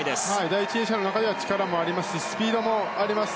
第１泳者の中では力もありますしスピードもあります。